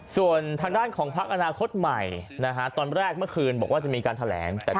ส่วนทางด้านของพักอนาคตใหม่ตอนแรกเมื่อคืนบอกว่าจะมีการแถลง